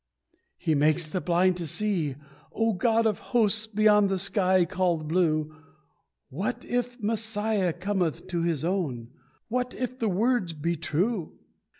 "He makes the blind to see! Oh, God of Hosts, Beyond the sky called blue, What if Messiah cometh to His own! What if the words be true!"